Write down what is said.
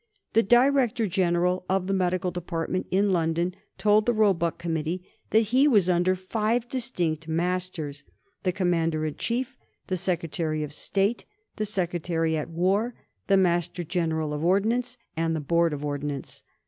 The Director General of the Medical Department in London told the Roebuck Committee that he was under five distinct masters the Commander in Chief, the Secretary of State, the Secretary at War, the Master General of Ordnance, and the Board of Ordnance.